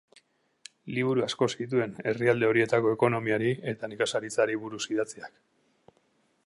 Liburu asko zituen herrialde horietako ekonomiari eta nekazaritzari buruz idatziak.